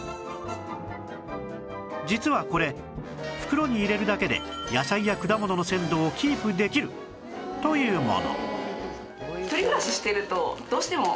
実はこれ袋に入れるだけで野菜や果物の鮮度をキープできるというもの